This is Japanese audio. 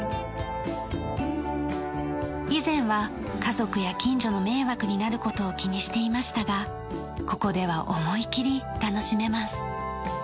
以前は家族や近所の迷惑になる事を気にしていましたがここでは思いきり楽しめます。